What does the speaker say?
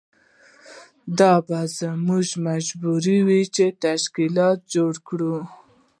دا به زموږ مجبوري وي چې تشکیلات جوړ کړو.